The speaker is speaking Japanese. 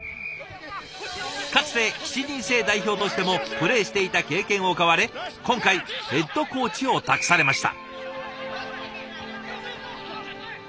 かつて７人制代表としてもプレーしていた経験を買われ今回ヘッドコーチを託されました。